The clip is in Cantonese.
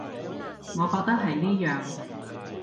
我覺得係呢樣